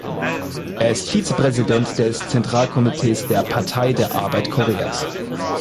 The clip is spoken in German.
Er ist Vizepräsident des Zentralkomitees der Partei der Arbeit Koreas.